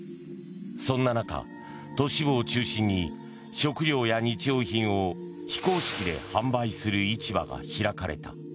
そんな中、都市部を中心に食料や日用品を非公式で販売する市場が開かれた。